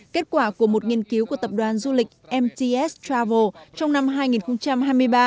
kết quả của một nghiên cứu của tập đoàn du lịch mts travel trong năm hai nghìn hai mươi ba